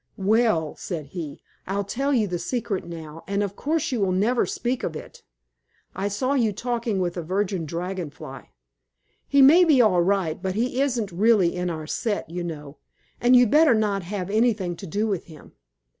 "Well," said he. "I'll tell you the secret now, and of course you will never speak of it. I saw you talking with a Virgin Dragon Fly. He may be all right, but he isn't really in our set, you know, and you'd better not have anything to do with him."